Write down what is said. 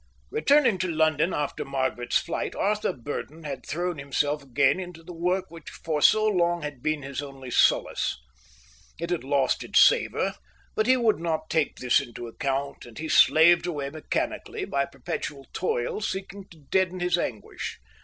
Returning to London after Margaret's flight, Arthur Burdon had thrown himself again into the work which for so long had been his only solace. It had lost its savour; but he would not take this into account, and he slaved away mechanically, by perpetual toil seeking to deaden his anguish.